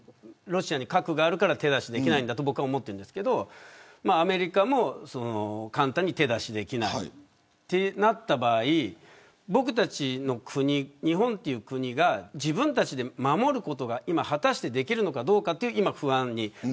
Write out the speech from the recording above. ロシアに核があるから手出しができないんだと僕は思っていますがアメリカも簡単に手出しできないとなった場合僕たちの国、日本という国が自分たちで守ることが果たしてできるのかどうかという不安に。